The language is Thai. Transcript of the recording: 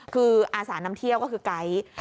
คืออาสานำเที่ยวก็คือไก๊